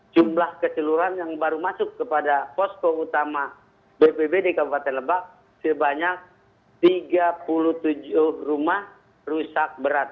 jumlah keseluruhan yang baru masuk kepada posko utama bpbd kabupaten lebak sebanyak tiga puluh tujuh rumah rusak berat